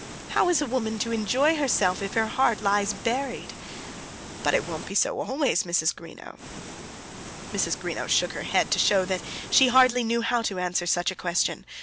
"How's a woman to enjoy herself if her heart lies buried?" "But it won't be so always, Mrs. Greenow." Mrs. Greenow shook her head to show that she hardly knew how to answer such a question.